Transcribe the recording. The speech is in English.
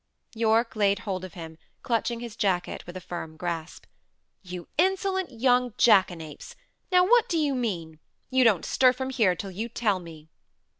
Yorke laid hold of him, clutching his jacket with a firm grasp. "You insolent young jackanapes! Now! what do you mean? You don't stir from here till you tell me."